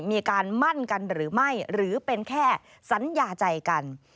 มีการมั่นกันหรือไม่หรือเป็นแค่สัญญาใจกัน